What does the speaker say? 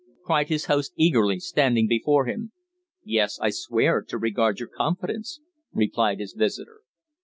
cried his host eagerly, standing before him. "Yes. I swear to regard your confidence," replied his visitor.